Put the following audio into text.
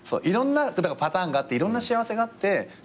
いろんなパターンがあっていろんな幸せがあって。